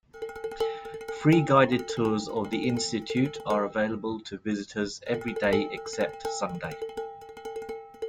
Free guided tours of the institute are available to visitors every day except Sunday.